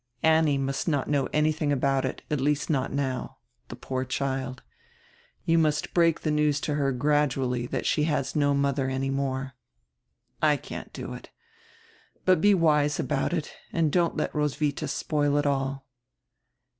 Annie must not know anydiing about it, at least not now. The poor child. You must break die news to her gradually diat she has no mother any more. I can't do it. But be wise about it, and don't let Roswidia spoil it all."